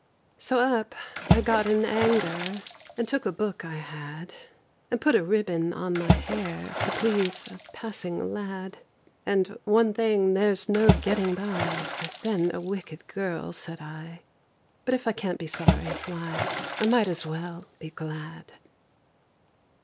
So up I got in anger, And took a book I had, And put a ribbon on my hair To please a passing lad. And, "One thing there's no getting by— I've been a wicked girl," said I; "But if I can't be sorry, why, I might as well be glad!"